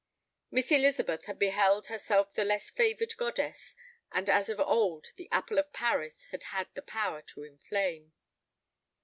Miss Elizabeth had beheld herself the less favored goddess, and as of old the apple of Paris had had the power to inflame.